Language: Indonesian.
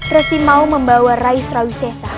resi mau membawa rai surawi sesa